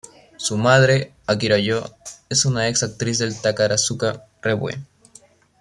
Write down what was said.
Su madre, Akira Yo, es una ex-actriz del Takarazuka Revue.